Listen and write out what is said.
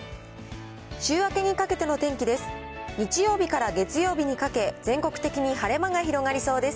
週明けにかけての天気です。